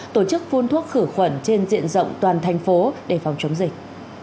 tổ chức phun thuốc khử khuẩn trên diện rộng toàn thành phố để phòng chống dịch